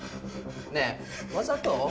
ねえわざと？